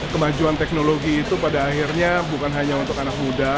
kemajuan teknologi itu pada akhirnya bukan hanya untuk anak muda